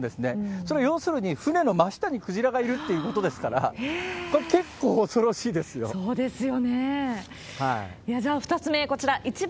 それ、要するに船の真下にクジラがいるってことですから、それ、結構恐ろしいですよ。